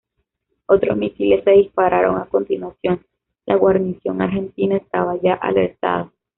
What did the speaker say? Otros misiles se dispararon a continuación, la guarnición argentina estaba ya alertada.